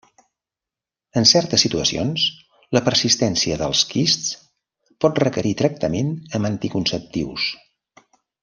En certes situacions, la persistència dels quists pot requerir tractament amb anticonceptius.